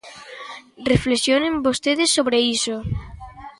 Reflexionen vostedes sobre iso.